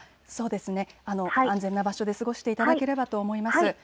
安全な場所で過ごしていただければと思います。